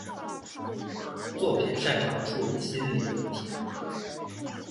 作品擅长处理心理问题。